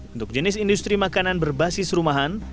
untuk jenis industri makanan berbasis rumahan